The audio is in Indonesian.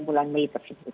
bulan mei tersebut